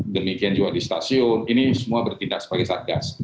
demikian juga di stasiun ini semua bertindak sebagai satgas